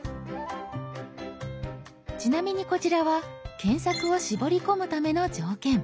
ちなみにこちらは検索を絞り込むための条件。